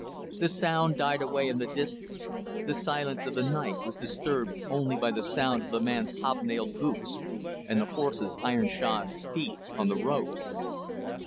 The sound died away in the distance. The silence of the night was disturbed only by the sound of the man's hob nailed boots and the horse's iron shod feet on the road.